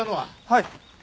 はい。